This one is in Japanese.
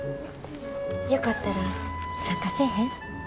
よかったら参加せえへん？